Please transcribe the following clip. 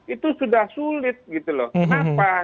itu sudah sulit gitu loh kenapa